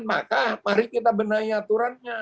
maka mari kita benahi aturannya